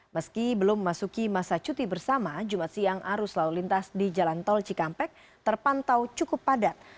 meski belum memasuki masa cuti bersama jumat siang arus lalu lintas di jalan tol cikampek terpantau cukup padat